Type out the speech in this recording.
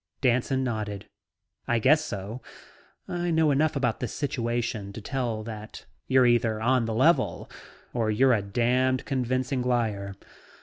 Danson nodded. "I guess so. I know enough about this situation to tell that you're either on the level, or you're a damned convincing liar.